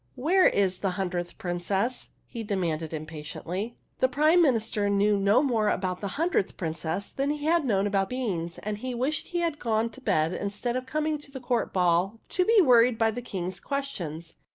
''Where is the hundredth Princess?" he demanded impatiently. The Prime Minister knew no more about the hundredth Princess than he had known about beans, and he wished he had gone to bed instead of coming to the court ball to be worried by the King's questions.